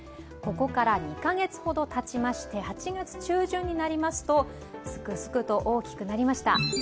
ここから２カ月ほどたちまして、８月中旬になりますとスクスクと大きくなりました。